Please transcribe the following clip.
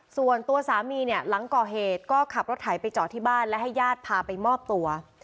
ส่วนตัวสามีเนี่ยหลังก่อเหตุก็ขับรถไถไปจอดที่บ้านและให้ญาติพาไปมอบตัว